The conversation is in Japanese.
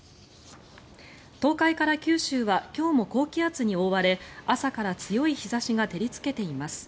東海から九州は今日も高気圧に覆われ朝から強い日差しが照りつけています。